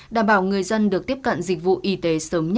đảm bảo người dân được tiếp cận dịch vụ y tế